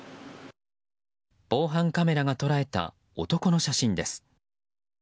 防犯カメラが捉えた男の写真です。